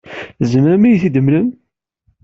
Tzemrem ad iyi-d-temlem?